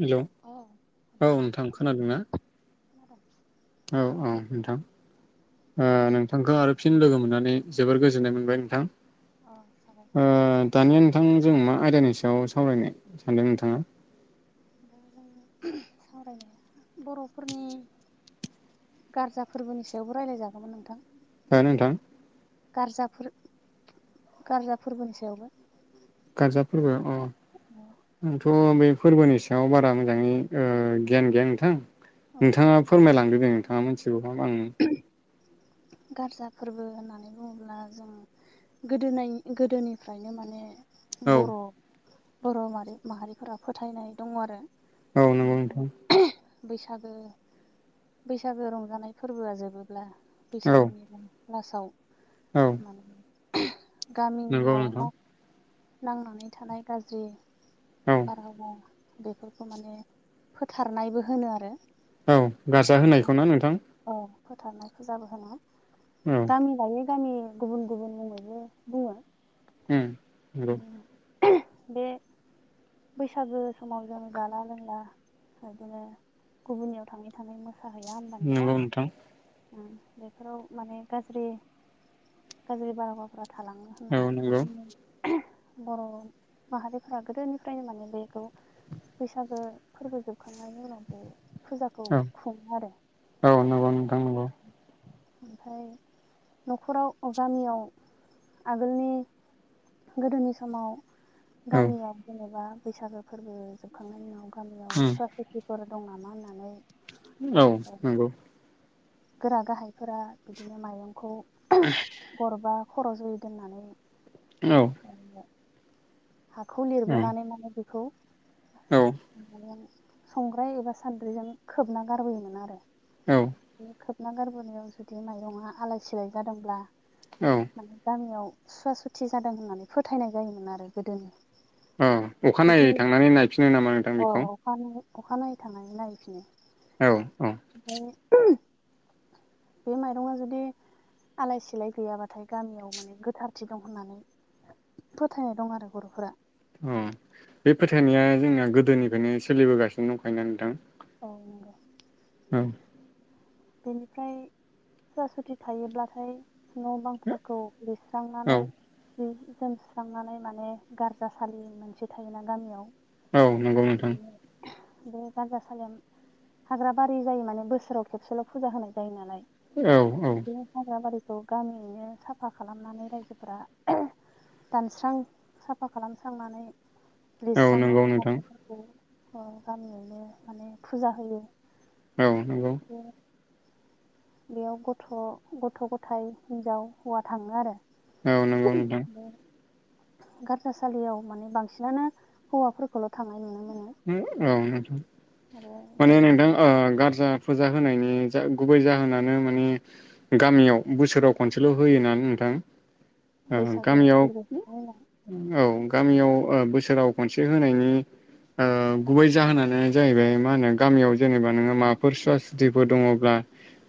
Hello अ hello औ नोंथां खोनादोंना खोनादों औ औ नोंथां ओ नोंथांखौ आरो फिन लोगो मोननानै जोबोर गोजोननाय मोनबाय अ साबायखर नोंथां नोंथां दानिया नोंथां जों मा आयदानि बेयाव सावरायनो सानदों नोंथाङा दा जों सावरायनाया बर'फोरनि गारजा फोरबोनि सायावबो रायज्लायजागौमोन नोंथां हो नोंथां गारजाफोर गारजा फोरबोनि सायावबो गारजाफोरबो अ आंथ' बे फोरबोनि सायाव बारा मोजाङै गियान गैया नोंथां औ नोंथाङा फोरमायलां नोंथाङा मिथिगौ [unintelligible] गारजा फोरबो होननानै बुङोब्ला जों गोदोनाय गोदोनिफ्रायनो माने औ बर' बर' माहारिफोरा फोथायनाय दङ आरो औ नंगौ माने नोंथां बैसागो बैसागो रंजानाय फोरबोआ जोबोब्ला औ बैसागोनि लासाव औ माने नंगौ गामिनियाव नोंथां ना नांनानै थानाय गाज्रि औ बारहावाव बेफोरखौ माने फोथारनायबो होनो आरो औ गारजा होनायखौ ना नोंथां औ फोथारनाय फुजाबो होनो औ गामि गायै गामि गुबुन गुबुन मुङैबो बुङो उम नंगौ बे बैसागो समाव जों जाला लोंला इदिनो गुबुननियाव थाङै थानाय मो- साहैया होमबा नोंथां उम बेफोराव माने गाज्रि गाज्रि बारहावफ्रा थालाङो औ होननानै नंगौ इदिनो बर' माहारिफोरा गोदोनिफ्रायनो माने बेखौ बैसागो फोरबो जोबखांनायनि उनाव बे फुजाखौ औ खुङो आरो औ नोंगौ नोंथां नोंगौ ओमफ्राय न'खराव गामियाव आगोलनि गोदोनि समाव औ गामियाव जेनेबा बैसागो फोरबो जोबखांनायनि उनाव औ गामियाव सुवा खुतिफोर दं नामा होननानै औ नंगौ गोरा गाहायफोरा बिदिनो माइरंखौ गरबा खर' जयै दोननानै [inaudible] औ हाखौ औ लिरबोनानै माने बेखौ आं संग्राय एबा सान्द्रिजों खोबना गारबोयोमोन आरो औ बे खोबना गारबोनायाव जुदि माइरंआ आलाय सिलाय जादोंब्ला औ माने गामियाव सुवा सुथि जादों होननानै फोथायनाय जायोमोन आरो गोदोनि उम बिदि अखानायै थांनानै नायफिनो नामा नोंथां बेखौ अखानायनायै थांनाय नायैफिनो औ औ ओमफ्राय बे माइरंआ जुदि आलाय सिलाय गैयाबाथाय गामियाव माने गोथारथि दं होननानै फोथायनाय दं आरो ब'रफोरा अ बे फोथायनाया जोंनिया गोदोनिफ्रायनो सोलिबोगासिनो दंखायोना नोंथां औ नंगौ [inaudible] बेनिफ्राय सवा सुथि थायोब्लाथाय न' बांफोरखौ औ लिरस्रांनानै जि जोमसुस्रांनानै माने गारजासाालि मोनसे थायोना गामियाव औ नंगौ नोंथां बे गारजासालियाव हाग्रा बारि जायो माने बोसोराव खेबसेल' फुजा होनाय जायो नालाय औ औ बे हाग्राबारिखौ गामियैनो साफा खालामनानै रायजोफोरा दानस्रां साफा खालामस्रांनानै औ नंगौ लिरस्रांनांगौ नोंथां [unintelligible] गामियावनो माने फुजा होयो औ नंगौ बे बेयाव गथ' गथ' गथायाइ हिन्जाव हौवा थाङो आरो औ नंगौ नोंथां बे गारजासालियाव माने बांसिनानो हौवाफोरखौल' थाङो आरो [unintelligible] बे माने नोंथां ओ गारजा फुजा होनायनि जा गुबै जाहोनानो माने गामियाव बोसोराव खनसेल' होयोनानै नों- थां ओ बैसागु गामियाव फोरबो जोबनायनि उनाव औ गामियाव ओ बोसोराव खनसे होनायनि ओ गुबै जाहोनानो जाहैबाय मा होनो गामियाव जेनेबा नोङो माबाफोर सुवा सुथिफोर दङब्ला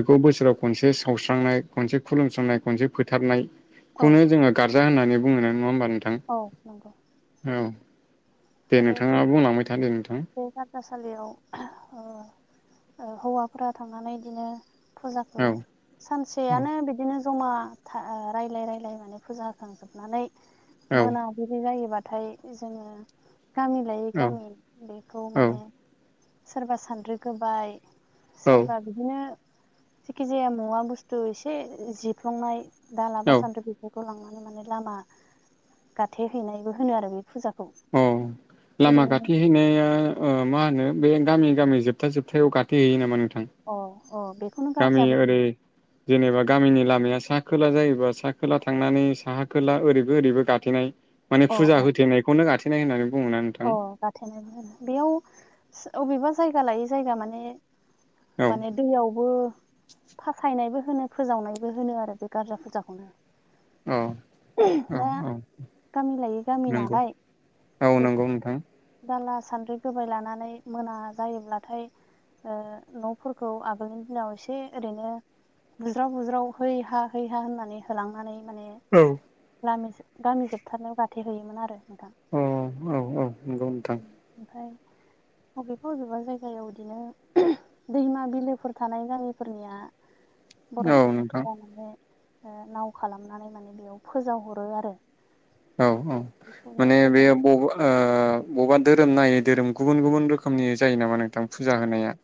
बेखौ बोसोराव खनसे सावस्रांनाय खनसे खुलुमस्रांनाय खनसे फोथारनाय औ खौनो जोङो गार्जा होननानै बुङो ना नङा होनबा नोंथां? औ नंगौ औ दे आरो बे नोंथाङा बुंलां बे हान्थासालियाव अ'ओ ओ हौवाफोरा थांनानै बिदिनो फुजाखौ औ सानसेयानो बिदिनो ज'मा था ओ रायलाय रायलाय माने फुजा होखांजोबनानै औ मोनाबिलि जायोबा थाय जोङो गामि लायै गामि बेखौ औ माने सोरबा सान्द्रि गोबाय औ सोरबा बिदिनो जिखि जाया मुवा बुस्थु एसे जिफ्लंनाय दाला औ बा सान्द्रि गलांनानै माने लामा गाथे हैनायबो होनो आरो बे फुजाखौ अ' लामा गोदोनि गाथेहैनाया अ' मा होनो बे गामि गामि जोबथा जोबथायाव गाथो हैयो नामा नोंथां? अ' अ' बेखौनो गामि गारजाबो ओरै बुङो जेनेबा गामिनि लामाया साहा खोला जायोबा साहा खोला थांनानै साहा खोला ओरैबो ओरैबो गाथेनाय माने अ फुजा अ होथेनायखौनो गाथेनाय होननानै बुङोना नोंथां अ' गाथेनाय बुङो बेयाव अबेबा जायगा लायै जायगा माने औ माने दैयावबो फाक्रायनायबो होनो फोजावनायबो होनो आरो बे गारजा औ फुजाखौनो। औ दा औ गामि लायै गामि नंगौ नालाय औ बेखौ नंगौ नोंथां। दाला सान्द्रि गोबाय लानानै मोना जायोब्लाथाय ओ न'फोरखौ आगोलनि दिनाव एसे ओरैनो बुज्राव बुज्राव है हा है हा होननानै होलांनानै माने औ गामि गामि जोबथारनायाव गाथेहयोमोन आरो नोंथां। औ औ औ नंगौ नोंथां उम ओमफ्राय बबेबा बबेबा जायगायाव बिदिनो दैमा बिलोफोर थानाय गामिफोरनिया बर' औ नोंथां सुबुंफोरा माने ओ नाव खालामनानै माने बेयाव फोजावहरो आरो औ औ बेखौनो माने बे फोजा ब ओ बबेबा धोरोम नायै धोरोम गुबुन गुबुन रोखोमनि जायो नामा नोंथां फुजा होनाया?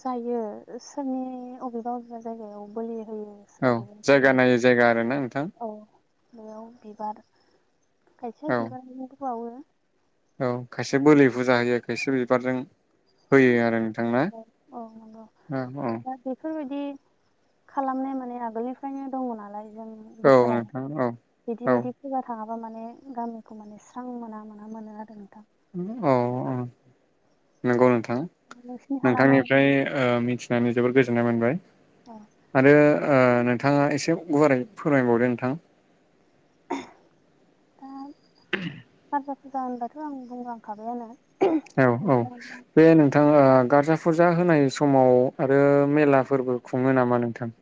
जायो सोरनि बबेबा बबेबा जायगायाव बोलि होयो औ अबेबा जायगा जायगायाव नायै जायगा आरोना नोंथां? औ बेयाव बिबार खायसे औ बिबारनिबो बावो। औ खायसे बोलि फुजा होयो खायसे बिबारजों होयो आरो। नोंथां ना औ औ नंगौ औ औ दा बेफोरबाय दि खालामनाय माने आगोलनिफ्रायनो दङ नालाय जों औ बोसोराव नोंथां औ औ बिदि बायदि फुजा थाङाब्ला माबा माने गामिखौ माने स्रां मोना मोना मोनो आरो नोंथां। औ औ। नंगौ नोंथां नोंसिनि हालामाव नोंथांनिफ्राय ओ मिथिनानै जोबोद गोजोननाय मोनबाय। औ आरो ओ नोंथाङा एसे गुवारै फोरमायबावदो नोंथां? दा गारजा फुजा होनब्लाथ' आं बुंलांखाबायानो औ औ बे नोंथाङा गारजा फुरजा होनाय समाव आरो मेलाफोरबो खुङो नामा नोंथां?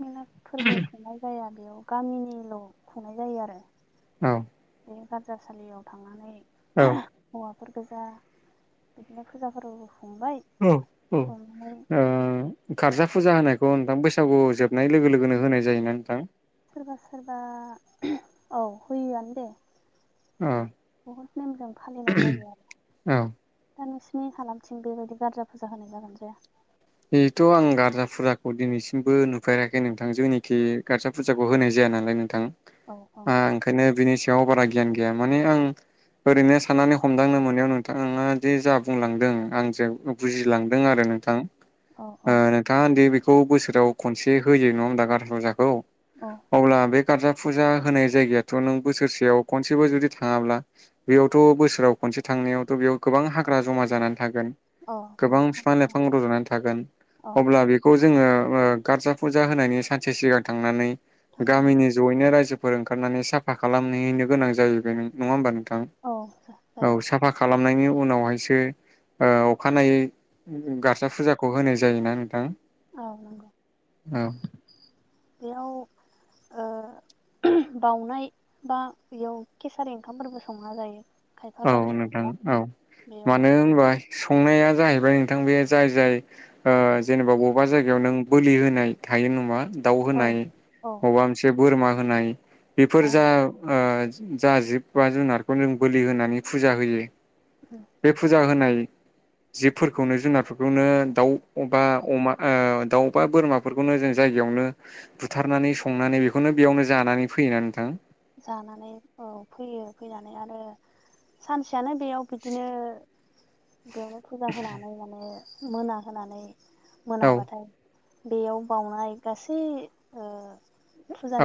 मेला फोरबो खुंनाय जाया बेयाव गामिनिल' खुंनाय जायो आरो। औ बे गारजासालियाव थांनानै औ फोरगोजा बिदिनो फुजाफोर औ औ ओ गारजा फुजा होनाय बेखौ नोंथां बैसागु जोबनाय लोगो लोगोनो होनाय जायोना नोंथां? सोरबा सोरबा औ होयोआनो दे। औ बहुद नेमजों फालिनाय जायो आरो। औ दा नोंसिनि हालामथिं बेबायदि गारजा फुजा होनाय जागोन जाया? बेथ' आं गारजा फुजाखौ दिनैसिमबो नुफेराखै नोंथां जोंनिखि गार्जा फुजाखौ होनाय जाया। [unintelligible] ओ नोंथां औ औ ओंखायनो बिनि सायाव बारा गियान गैया माने आं ओरैनो साननानै हमदांनो मोननायाव नोंथाङा दि जा बुंलांदों आं जे बुजिलांदों आरो। नोंथां औ ओ औ नोंथाङा ओन्दि बेखौ बोसोराव खनसे होयो नङा होमबा गारजा फुजाखौ? औ आब्ला बे गार्जा फुजा होनाय जायगायाथ' नों बोसोरसेयाव खनसेबो जुदि थाङाब्ला बेयावथ' बोसोराव खन से थांनायावथ' बेयाव गोबां हाग्रा जमा जानानै थागोन औ बे गोबां फिफां लाइफां रज'नानै थागोन औ अब्ला बिखौ जोङो ओ गारजा फुजा होनायनि सानसे सिगां थांनानै थांनानै गामिनि ज'यैनो रायजो फोर ओंखारनानै साफा खालामनिनो गोनां जाहैबाय नङा होमबा नोंथां औ जायो औ साफा खालाम नायनि उनावहायसो अ अखानायै गारजा फुजाख खौ होनाय जायोना नोंथां? औ नंगौ। औ। बेयाव ओ बाउनाय बा बेयाव केसारि ओंखामफोरबो संना जायो। खायफा औ गामि नोंथां खायफा औ बेयाव मानो होनबा संनाया जाहैबाय नोंथां बे जाय जाय ओ जेनेबा बबबा जायगायाव नों बोलि होनाय थायो। नोमा दाव औ होनाय औ माबा मोनसे बोरमा होनाय बेफोर औ जा ओ जा जिब बा जुनारखौनो जों बोलि होनानै फुजा होयो बे फुजा होनाय बे जिबफोरखौनो जुनारफोरखौनो दाउ बा अमा ओ दाउ बा बोरमाफोरखौनो जों जायगा यावनो बुथारनानै संनानै बेखौनो बेयावनो जानानै फैयोना नोंथां? जानानै औ फैयो फैनानै आरो सानस जानो बेयाव बिदिनो बेयावनो फुजा होनानै माने मोना होनानै औ मोनाबाथाय बेयाव बावनाय गासै ओ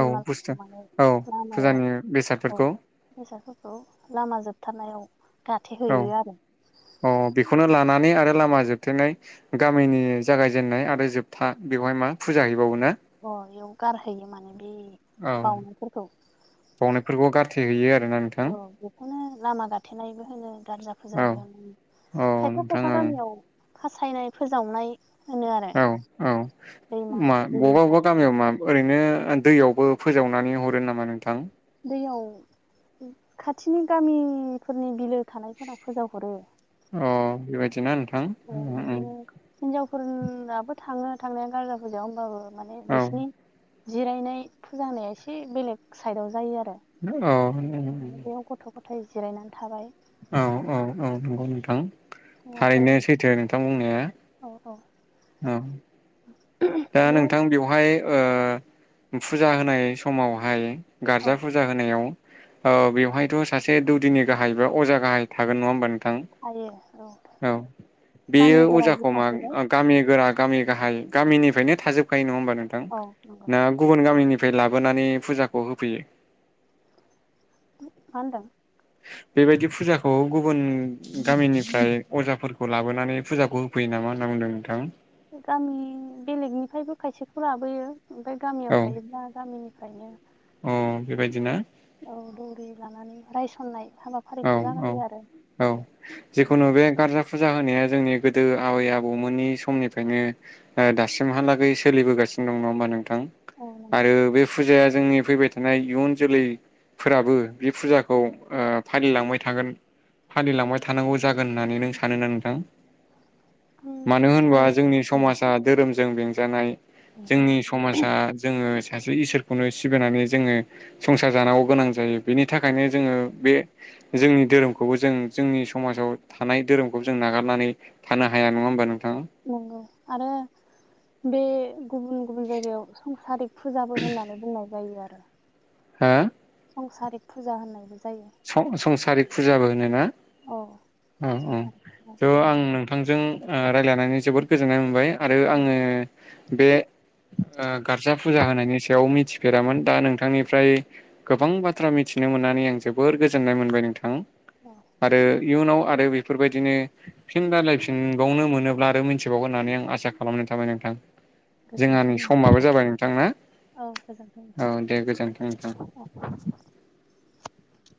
औ मालफोरखौ बुस्थु माने औ लामायाव फुजानि औ बेसादफोरखौ बेसादफोरखौ लामा जोबथारनायाव गाथेहैयो आरो। खौनो लानानै आरो लामा जोबथेनाय गामिनि जागायजेननाय आरो जोबथा बेवहाय मा फुजा हैयो। अ एयाउ गारहैयो माने बे औ बावनायफोरखौ बावनायफोरखौ गारथे हैैयो आरोना नोंथां? औ बेखौनो लामा गाथेनायबो होनो गारजा औ फुजाबो होनो औ खायफा नोंथां खायफा गामियाव फासायनाय फोजावनाय होनो आरो औ औ दैमा मा बिलो बबा बबा खाथिनि गामियाव मा ओरैनो दैयावबो फोजावनानै हरो नामा नोंथां? दैयाव खाथिनि गामिफोरनि बिलो थानायफोरा फोजावहरो। अ बेबायदिना नों अ बिदिनो थाङो थांनाया गारजा फुजायाव होमबाबो माने औ बिसिनि जिरायनाय फुजा होननाया एसे बेलेग साइदाव जायो आरो। औ। ओमफ्राय जिरायनानै थाबाय। औ औ औ नंगौ नोंथां हौवाफोर थारैनो सैथो नोंथां बुंनाया। औ औ। औ। दा बेयाव नोंथां बेवहाय ओ फुजा होनाय समावहाय औ गारजा फुजा होनायाव औ बेवहायथ' सासे दौदिनि गाहाय बा अजा गाहाइ थागोन नङा होमबा नो थां औ बेयो गामि गोरायबो अजाखौ मा थाहैबाय आ गामि गोरा गामि गाहाइ गामिनिफ्रायनो थाजोबखायो नङा होनबा नोंथां, औ नंगौ मा ना गुबन गामिनि फ्राय लाबोनानै फुजाखौ होफैयो? मा होनदों? बेबायदि फुजाखौ गुबुन गामिनिफ्राय अजाफोरखौ लाबोनानै फुजाखौ होफैयो ना मा होनना बुंदों नोंथां? गामि बेलेगनिफ्रायबो खायसेखौ लाबोयो ओमफ्राय गामियाव औ थायोब्ला गामिनि फ्रायनो अ बेबायदिना औ दौरि लानानै रायसननाय औ हाबाफारिखौ औ जागायो आरो औ जिखुनु बे गारजा फुजा होनाया जोंनि गोदो आबै आबौमोननि समनिफ्रायनो दा-दासिमहालागै सोलिबोगा सिनो दं नङा होनबा नोंथां? औ नंगौ आरो बे फुजाया जोंनि फैबाय थानाय इयुन जोलैफोराबो बे फुजाखौ ओ फालिलांबाय थागोन फालिलांबाय थानांगौ जागोन होननानै नों सानो ना नोंथां? मानो उम होनबा सान जोंनि समासा धोरोमजों बेंजानाय उम जोंनि समाजा जोङो सासे इसोरखौनो सिबिनानै जोङो संसार जानांगौ गोनां जायो, बेनि थाखायनो जोङो बे जोंनि धोरोमखौबो जों जोंनि समाजाव थानाय धोरोमखौबो जों नागारनानै थानो हाया नङा होमबा नों नंगौ आरो बे गुबुन गुबुन जायगायाव संसारिक फुजाबो होननानै बुंनाय जायो आरो। हो? संसारिक फुजा होननायबो जायो सं-संसारिक फुजाबो होनोना? औ औ औ संसार थ' जानाय आं नोंथांजों ओ रायलायनानै जोबोद गोजोननाय मोनबाय आरो आङो बे ओ गारजा फुजा होनायनि सायाव मिथिफेरामोन दा नोंथांनिफ्राय गोबां बाथ्रा मिथिनो मोननानै आं जोबोर गोजोन्नाय मोनबाय नोंथां औ आरो इयुनाव आरो बेफोरबायदिनो फिन रायलायफिनबावनो मोनोब्ला आरो मिथिबावगोन होननानै आं आसा खालामनानै थाबाय नोंथां जोंहानि गोजोनथों नोंथां समाबो जाबाय नोंथां ना? औ गोजोनथों औ नोंथां दे गोजोनथों नोंथां। औ दे [inaudible]